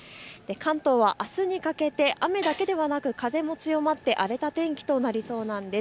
関東はあすにかけても雨だけではなく風も強まってきて荒れた天気となりそうです。